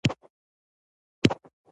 ملت ته حقایق ووایي .